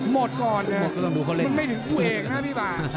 หมดก่อนไงมันไม่ถึงคู่เอกนะพี่ป่า